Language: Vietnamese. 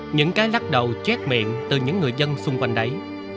những cái lắc đầu chét miệng từ những người dân xung quanh đấy